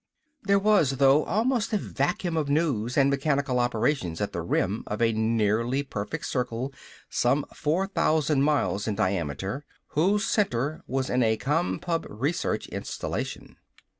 There was, though, almost a vacuum of news and mechanical operations at the rim of a nearly perfect circle some four thousand miles in diameter, whose center was in a Compub research installation.